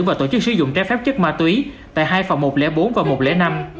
và tổ chức sử dụng trái phép chất ma túy tại hai phòng một trăm linh bốn và một trăm linh năm